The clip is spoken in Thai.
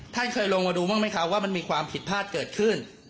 ท่านเคยลงมาดูบ้างไหมคะว่ามันมีความผิดพลาดเกิดขึ้น